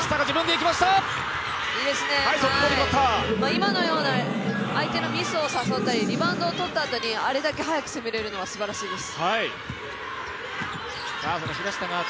今のような相手のミスを誘ったりリバウンドをとったあとにあれだけ速く攻められるのはすばらしいです。